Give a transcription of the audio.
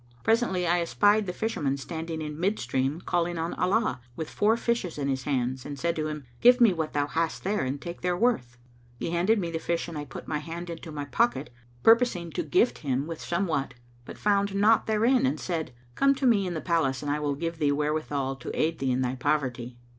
Presently I espied the Fisherman standing in mid stream, calling on Allah, with four fishes in his hands, and said to him, 'Give me what thou hast there and take their worth.' He handed me the fish and I put my hand into my pocket, purposing to gift him with somewhat, but found naught therein and said, 'Come to me in the Palace, and I will give thee wherewithal to aid thee in thy poverty.